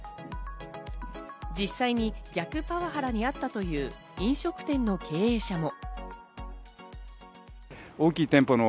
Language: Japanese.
実際に逆パワハラにあったという飲食店の経営者も。